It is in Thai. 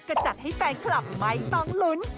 ก็จัดให้แฟนคลับไม่ต้องลุ้น